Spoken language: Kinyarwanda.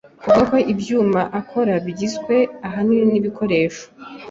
avuga ko ibyuma akora bigizwe ahanini n’ibikoresho